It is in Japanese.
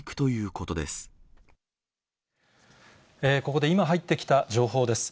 ここで今、入ってきた情報です。